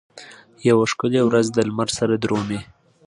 یوه ښکلې ورځ دلمره سره درومي